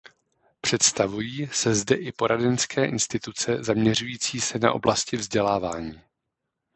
Představují se zde i poradenské instituce zaměřující se na oblasti vzdělávání.